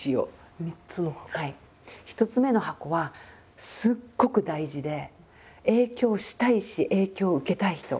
１つ目の箱はすっごく大事で影響したいし影響を受けたい人。